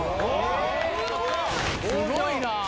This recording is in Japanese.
すごいな。